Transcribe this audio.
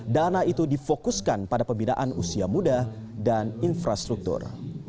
dana itu difokuskan pada pembinaan usia muda dan infrastruktur